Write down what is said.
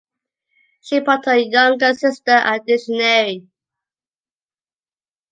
She bought her younger sister a dictionary.